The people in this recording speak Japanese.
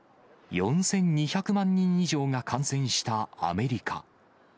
４２００万人以上が感染したアメリカ。